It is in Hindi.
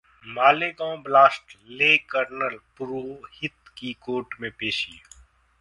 मालेगांव ब्लास्ट: ले. कर्नल पुरोहित की कोर्ट में पेशी